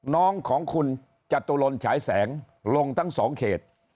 น้องของคุณจตุรนฉายแสงลงทั้งสองเขต